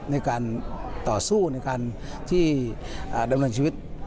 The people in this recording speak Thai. ในการต่อสู้ในการที่ดำเนินชีวิต